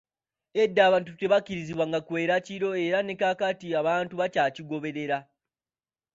Edda abantu tebakkirizibwanga kwera kiro era nga ne kati abantu bakyakigoberera.